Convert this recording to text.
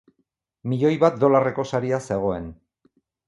Milioi bat dolarreko saria zegoen.